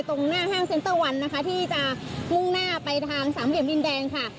ตรงหน้าห้างเซ็นเตอร์วันนะคะที่จะมุ่งหน้าไปทางสามเหลี่ยมดินแดงค่ะ